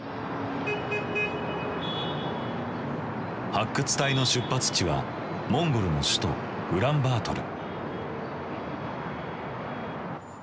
発掘隊の出発地はモンゴルの首都ウランバートル。